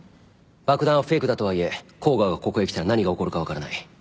爆弾はフェイクだとはいえ甲賀がここへ来たら何が起こるか分からない。